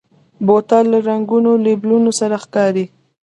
بوتل له رنګینو لیبلونو سره ښکاري.